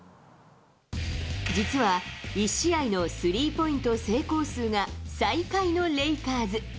実は、１試合のスリーポイント成功数が最下位のレイカーズ。